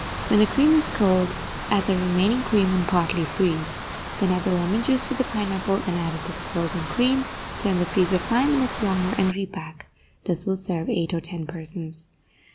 When the cream is cold, add the remaining cream, and partly freeze. Then add the lemon juice to the pineapple and add it to the frozen cream; turn the freezer five minutes longer, and repack. This will serve eight or ten persons.